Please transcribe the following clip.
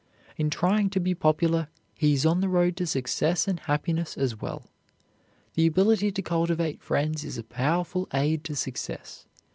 In trying to be popular, he is on the road to success and happiness as well. The ability to cultivate friends is a powerful aid to success.